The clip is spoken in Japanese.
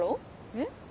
えっ？